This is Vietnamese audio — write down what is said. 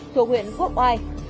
thuộc huyện quốc hoai